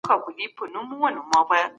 جلال آباد تل ګرم او زرغون ښار دی.